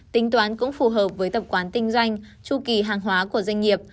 tính toán cũng phù hợp với tập quán kinh doanh chu kỳ hàng hóa của doanh nghiệp